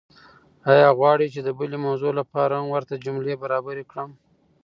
ایا غواړئ چې د بلې موضوع لپاره هم ورته جملې برابرې کړم؟